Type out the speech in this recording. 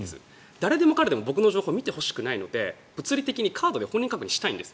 誰でも彼でも僕の情報を見てほしくないので物理的にカードで本人確認したいんです。